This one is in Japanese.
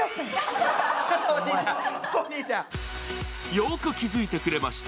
よく気付いてくれました。